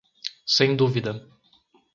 Sem dúvida?